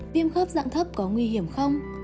viêm khớp dạng thấp có nguy hiểm không